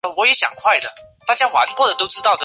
特斯特诺是克罗地亚南部杜布罗夫尼克的一个区。